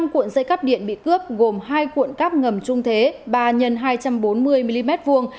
năm cuộn dây cắp điện bị cướp gồm hai cuộn cáp ngầm trung thế ba x hai trăm bốn mươi mm vuông